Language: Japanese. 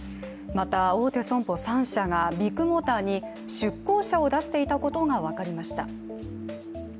また大手損保３社がビッグモーターに出向者を出していたことが分かりました。